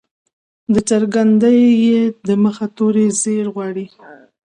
د څرګندي ي د مخه توری زير غواړي.